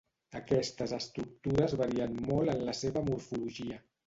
Aquestes estructures varien molt en la seva morfologia.